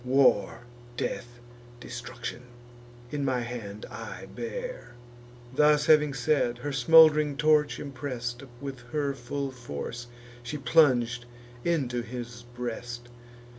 War, death, destruction, in my hand I bear." Thus having said, her smould'ring torch, impress'd With her full force, she plung'd into his breast.